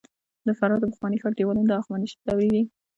د فراه د پخواني ښار دیوالونه د هخامنشي دورې دي